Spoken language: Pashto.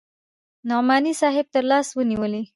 نعماني صاحب تر لاس ونيولم.